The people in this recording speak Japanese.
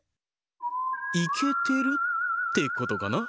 いけてるってことかな。